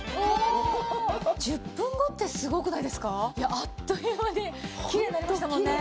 あっという間にきれいになりましたもんね。